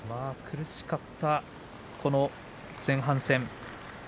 苦しかった前半戦。